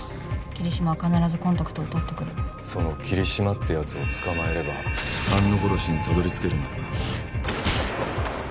桐島は必ずコンタクトを取ってくるその桐島ってやつを捕まえれば安野殺しにたどり着けるんだな？